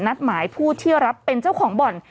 นัดหมายผู้ที่รับเป็นเจ้าของบ่อน